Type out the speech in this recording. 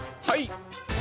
はい！